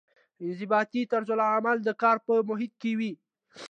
انضباطي طرزالعمل د کار په محیط کې وي.